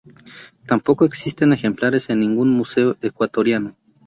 Tampoco existen ejemplares en ningún museo ecuatoriano.